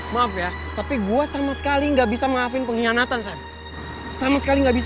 maaf ya tapi gue sama sekali nggak bisa maafin pengkhianatan saya sama sekali nggak bisa